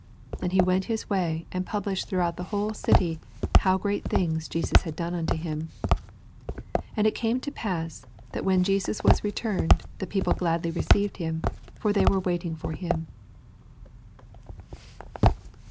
And he went his way, and gublished throughout the whole city ow great things Jesus had done unto him. 40 And it came to pass, that, when Jesus was returned, the people gladU/y received him : for tney were all wait ing for him.